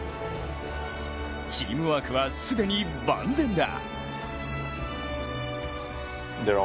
チームワークは既に万全だ。